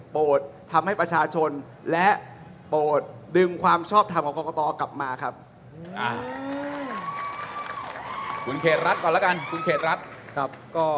ทำให้ประชาชนและโปรดดึงความชอบทำของกรกตกลับมาครับ